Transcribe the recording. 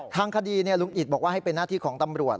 ทางคดีลุงอิตบอกว่าให้เป็นหน้าที่ของตำรวจ